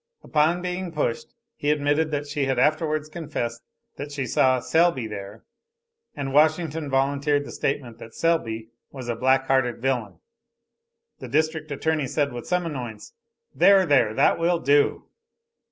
Upon being pushed he admitted that she had afterwards confessed that she saw Selby there. And Washington volunteered the statement that Selby, was a black hearted villain. The District Attorney said, with some annoyance; "There there! That will do."